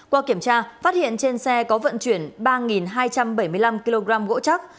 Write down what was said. qua kiểm tra phát hiện trên xe có vận chuyển ba hai trăm bảy mươi năm kg gỗ chắc